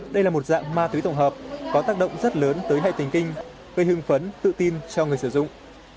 đây là một dạng ma tươi tổng hợp có tác động rất lớn tới hệ tình kinh gây hương phấn tự tin cho người sử dụng